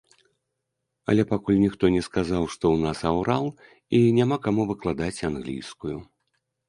Але пакуль ніхто не сказаў, што ў нас аўрал і няма каму выкладаць англійскую.